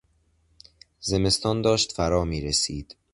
زمستان داشت فرا میرسید.